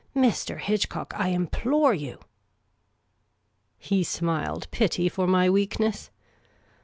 " Mr. Hitchcock, I implore you !" He smiled pity for my weakness.